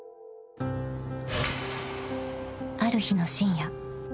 ［ある日の深夜］